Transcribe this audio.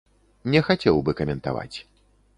Не хацеў бы каментаваць.